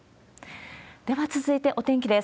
では続いて、お天気です。